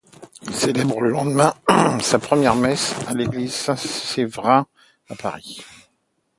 Il célèbre le lendemain sa première messe à l'Église Saint-Séverin à Paris.